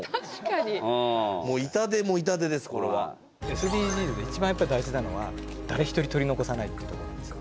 ＳＤＧｓで一番やっぱり大事なのは誰一人取り残さないっていうとこなんですよ。